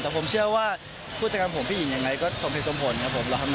แต่ผมเชื่อที่ผู้จัดการของผมพี่หญิงยังไงก็สมผลครับผม